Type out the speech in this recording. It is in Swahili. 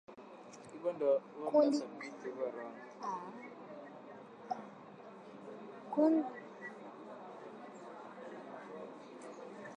Kundi la Dola ya ki Islamu limedai kuhusika na shambulizi la Jamhuri ya Kidemokrasia ya Kongo lililouwa watu kumi na tano